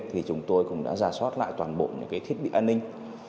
thì chúng tôi cũng đã giả soát lại toàn bộ những cái thiết bị an ninh